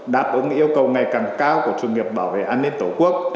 đáp ứng yêu cầu ngày càng cao của sự nghiệp bảo vệ an ninh tổ quốc